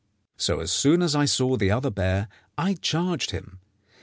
So as soon as I saw the other bear I charged him.